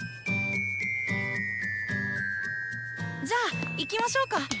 じゃあ行きましょうか。